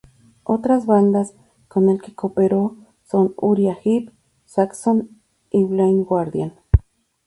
Otras bandas con el que cooperó son Uriah Heep, Saxon, y Blind Guardian.